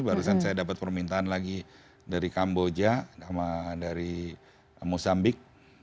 barusan saya dapat permintaan lagi dari kamboja sama dari mosambik